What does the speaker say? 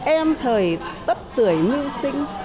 em thời tất tuổi mưu sinh